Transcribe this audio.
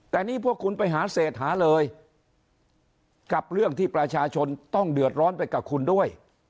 แต่นี่พวกคุณไปหาเศษหาเลยกับเรื่องที่ประชาชนต้องเดือดร้อนไปกับคุณด้วย